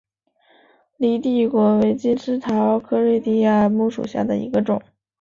犁地果为金丝桃科瑞地亚木属下的一个种。